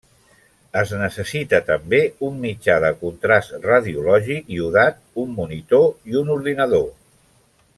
Es necessita també un mitjà de contrast radiològic iodat, un monitor i un ordinador.